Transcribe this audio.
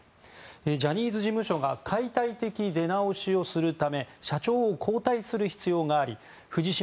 ジャニーズ事務所が解体的出直しをするため社長を交代する必要があり藤島